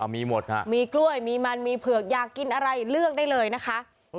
มีหมดค่ะมีกล้วยมีมันมีเผือกอยากกินอะไรเลือกได้เลยนะคะ